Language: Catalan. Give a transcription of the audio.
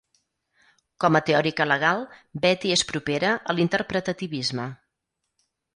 Com a teòrica legal, Betti és propera a l'interpretativisme.